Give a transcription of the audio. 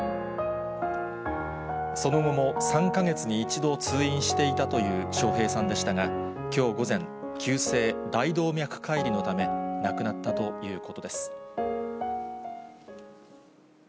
その後も３か月に１度、通院していたという笑瓶さんでしたが、きょう午前、急性大動脈解離のため、亡くなったということです。